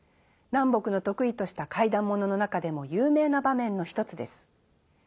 南北の得意とした怪談物の中でも有名な場面の一つです。